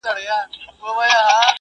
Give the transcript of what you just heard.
دا بزم ازلي دی تر قیامته به پاتېږي `